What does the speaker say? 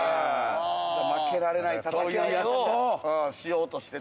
負けられない戦いをしようとしてた。